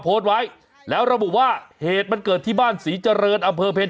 โพสต์ไว้แล้วระบุว่าเหตุมันเกิดที่บ้านศรีเจริญอำเภอเพล